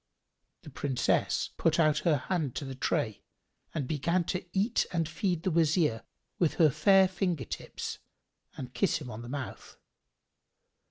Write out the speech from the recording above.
The Princess put out her hand to the tray and began to eat and feed the Wazir with her fair finger tips and kiss him on the mouth.